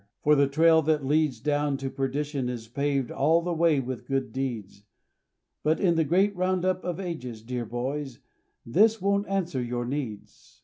For the trail that leads down to perdition Is paved all the way with good deeds, But in the great round up of ages, Dear boys, this won't answer your needs.